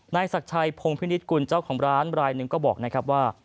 ศักดิ์ชัยพงพินิศกุลเจ้าของร้านรายหนึ่งก็บอกนะครับว่า